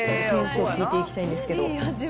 点数聞いていきたいんですけど。